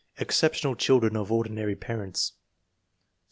Exceptional children of ordinary parents.